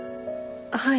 はい。